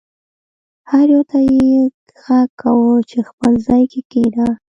هر یو ته یې غږ کاوه چې خپل ځای کې کښېنه.